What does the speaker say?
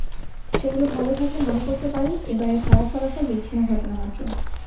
সেগুলো ভালো থাকলে মনে করতে পারেন এবারের খারাপ ফলাফল বিচ্ছিন্ন ঘটনামাত্র।